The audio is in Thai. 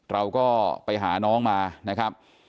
เราก็ไปหาน้องมานะครับ